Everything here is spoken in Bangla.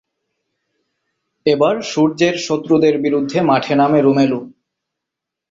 এবার সূর্যের শত্রুদের বিরুদ্ধে মাঠে নামে রোমেলও।